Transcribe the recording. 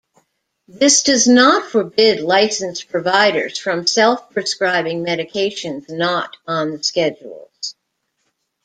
This does not forbid licensed providers from self-prescribing medications not on the schedules.